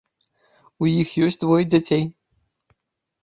У іх ёсць двое дзяцей.